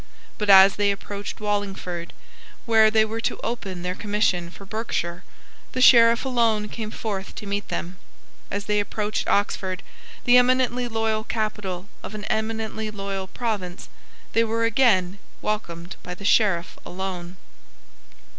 But as they approached Wallingford, where they were to open their commission for Berkshire, the Sheriff alone came forth to meet them. As they approached Oxford, the eminently loyal capital of an eminently loyal province, they were again welcomed by the Sheriff alone.